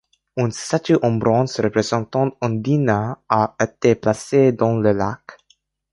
Une statue en bronze représentant Ondina a été placée dans le lac.